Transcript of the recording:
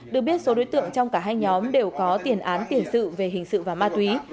được biết số đối tượng trong cả hai nhóm đều có tiền án tiền sự về hình sự và ma túy